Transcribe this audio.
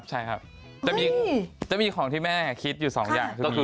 ใช่ครับจะมีของที่แม่คิดอยู่สองอย่างคือ